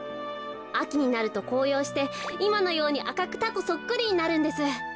あきになるとこうようしていまのようにあかくタコそっくりになるんです。